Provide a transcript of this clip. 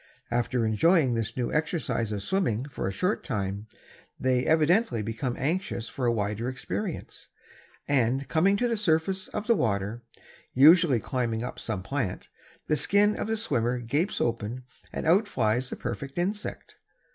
After enjoying this new exercise of swimming for a short time they evidently become anxious for a wider experience, and coming to the surface of the water, usually climbing up some plant, the skin of the swimmer gapes open and out flies the perfect insect.